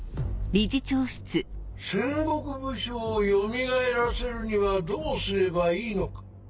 戦国武将をよみがえらせるにはどうすればいいのか。